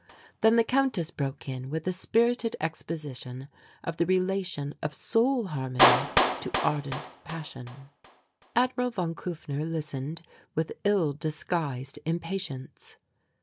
Then the Countess broke in with a spirited exposition of the relation of soul harmony to ardent passion. Admiral von Kufner listened with ill disguised impatience.